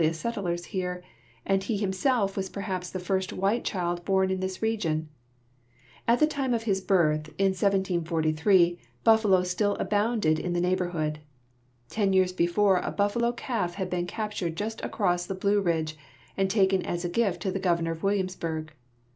st settlers here, and he himself was perhaps the first white child horn in this region. At the time of his birth, in 1743, buffalo still abounded in the neighborhood. Ten years before a buffalo calf had been ca})tured just across the Blue Ridge and taken as a gift to the governor at Williamsburg.